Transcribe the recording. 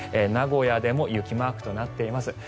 名古屋でも雪マークとなっています。